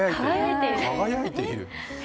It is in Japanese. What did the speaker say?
輝いている？